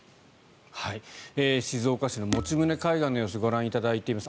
静岡市の用宗海岸の様子ご覧いただいています。